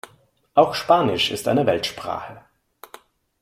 Auch Spanisch ist eine Weltsprache.